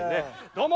どうも。